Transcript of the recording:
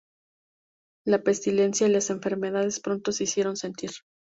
La pestilencia y las enfermedades pronto se hicieron sentir.